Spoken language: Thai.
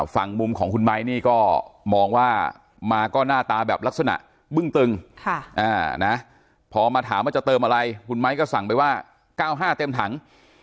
ฝั่งมุมของคุณไม้นี่ก็มองว่ามาก็หน้าตาแบบลักษณะบึ้งตึงพอมาถามว่าจะเติมอะไรคุณไม้ก็สั่งไปว่า๙๕เต็มถัง